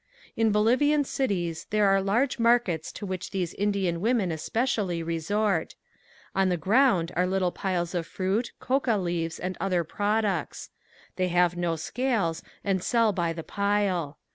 In Bolivian cities there are large markets to which these Indian women especially resort. On the ground are little piles of fruit, coca leaves and other products. They have no scales and sell by the pile.